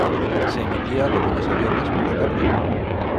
Se emitía de lunes a viernes por la tarde.